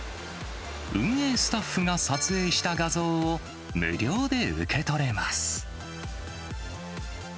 運営スタッフが撮影した画像を、無料で受け取れます。